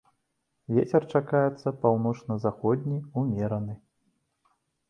Вецер чакаецца паўночна-заходні ўмераны.